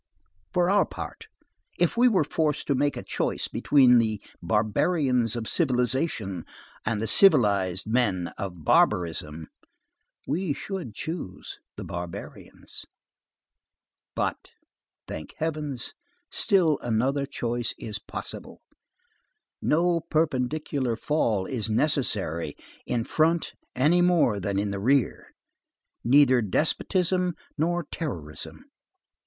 For our part, if we were forced to make a choice between the barbarians of civilization and the civilized men of barbarism, we should choose the barbarians. But, thank Heaven, still another choice is possible. No perpendicular fall is necessary, in front any more than in the rear. Neither despotism nor terrorism.